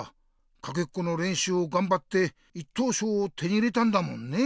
かけっこのれんしゅうをがんばって１とうしょうを手に入れたんだもんね。